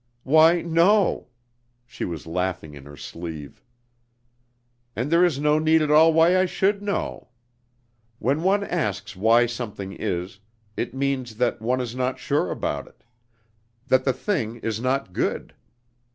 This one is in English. "Why no!" (She was laughing in her sleeve.) "And there is no need at all why I should know. When one asks why something is, it means that one is not sure about it, that the thing is not good.